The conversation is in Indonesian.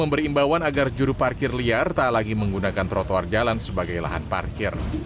memberi imbauan agar juru parkir liar tak lagi menggunakan trotoar jalan sebagai lahan parkir